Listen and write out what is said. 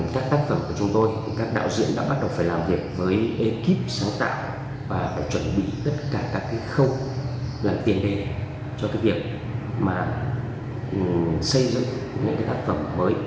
các tác phẩm của chúng tôi các đạo diễn đã bắt đầu phải làm việc với ekip sáng tạo và phải chuẩn bị tất cả các khâu làm tiền đề cho cái việc mà xây dựng những tác phẩm mới